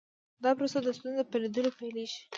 دا پروسه د ستونزې په لیدلو پیلیږي.